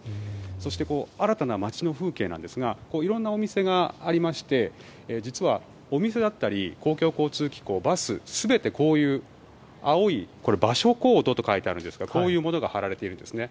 そして新たな街の風景なんですが色んなお店がありまして実はお店だったり公共交通機構バス、全てこういう青い場所コードと書いてあるんですがこういうものが貼られているんですね。